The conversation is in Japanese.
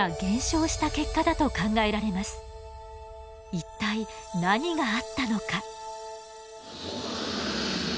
一体何があったのか？